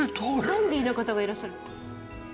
ダンディーな方がいらっしゃる。